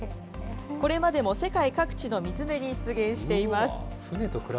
これまでも世界各地の水辺に出現しています。